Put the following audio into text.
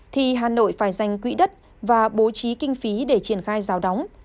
thì hà nội phải dành quỹ đất và bố trí kinh phí để triển khai rào đóng